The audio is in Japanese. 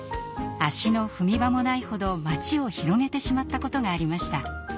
足の踏み場もないほど街を広げてしまったことがありました。